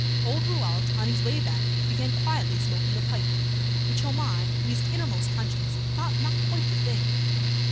Old Rouault on his way back began quietly smoking a pipe, which Homais in his innermost conscience thought not quite the thing.